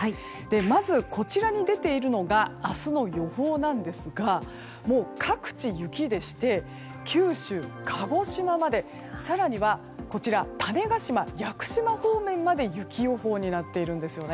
まず、こちらに出ているのが明日の予報なんですが各地、雪でして九州、鹿児島まで更には、種子島屋久島方面まで雪予報になっているんですね。